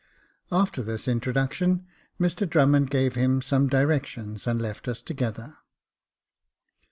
After this introduction, Mr Drummond gave him some directions, and left us together.